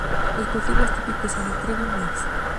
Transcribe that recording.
Los cultivos típicos son de trigo y maíz.